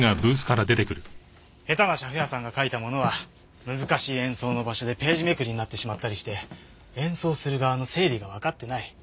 下手な写譜屋さんが書いたものは難しい演奏の場所でページめくりになってしまったりして演奏する側の生理がわかってない。